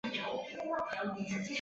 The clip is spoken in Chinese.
开始装橘子